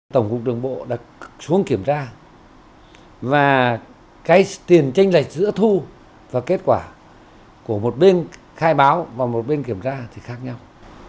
tổng cục đường bộ đã xuống kiểm tra và cái tiền tranh lệch giữa thu và kết quả của một bên khai báo và một bên kiểm tra thì khác nhau